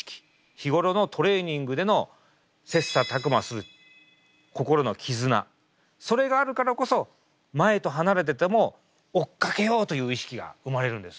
日頃のトレーニングでの切磋琢磨する心のきずなそれがあるからこそ前と離れてても追っかけようという意識が生まれるんです。